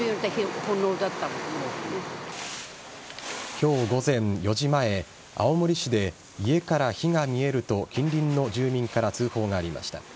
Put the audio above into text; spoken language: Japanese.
今日午前４時前青森市で家から火が見えると近隣の住民から通報がありました。